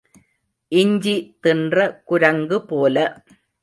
இஞ்சி தின்ற குரங்கு போல.